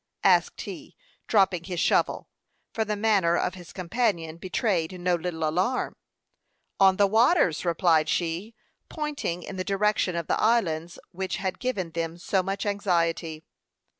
asked he, dropping his shovel, for the manner of his companion betrayed no little alarm. "On the water," replied she, pointing in the direction of the islands which had given them so much anxiety.